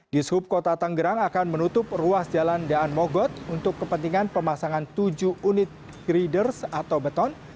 di sub kota tanggerang akan menutup ruas jalan daan mogot untuk kepentingan pemasangan tujuh unit griders atau beton